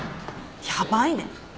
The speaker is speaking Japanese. ヤバいね。